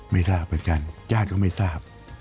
ไม่ทราบเหมือนกันญาติก็ไม่ทราบ